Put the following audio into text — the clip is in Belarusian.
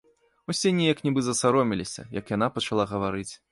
Усе неяк нібы засаромеліся, як яна пачала гаварыць.